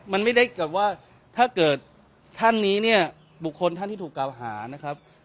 มันไม่ได้กับว่าถ้าเกิดท่านนี้เนี่ยบุคคลท่านที่ถูกกล่าวหานะครับ